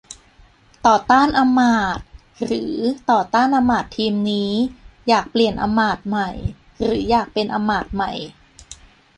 ต่อต้านอำมาตย์ หรือ ต่อต้านอำมาตย์ทีมนี้ อยากเปลี่ยนอำมาตย์ใหม่ หรืออยากเป็นอำมาตย์ใหม่